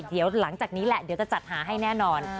เดี๋ยวหลังจากนี้แหละเดี๋ยวจะจัดหาให้แน่นอน